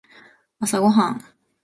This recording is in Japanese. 朝ごはん